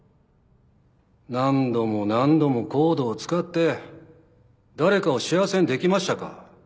何度も何度もＣＯＤＥを使って誰かを幸せにできましたか？